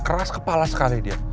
keras kepala sekali dia